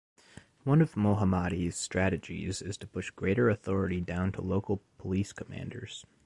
One of Mohammadi's strategies is to push greater authority down to local police commanders.